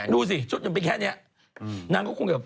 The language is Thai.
ดูสิชุดมันเป็นแค่เนี้ย